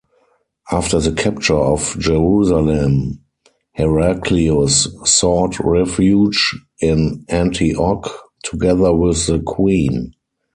After the capture of Jerusalem, Heraclius sought refuge in Antioch, together with the queen.